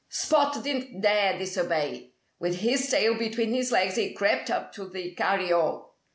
Spot didn't dare disobey. With his tail between his legs he crept up to the carryall.